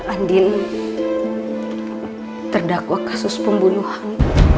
andien terdakwa kasus pembunuhan